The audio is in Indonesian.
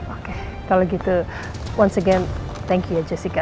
oke kalau gitu sekali lagi terima kasih ya jessica